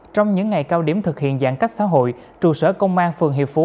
trong những ngày cao điểm thực hiện giãn cách xã hội trụ sở công an phường hiệp phú